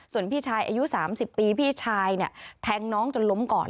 ส่วนพี่ชายอายุ๓๐ปีพี่ชายแทงน้องจนล้มก่อน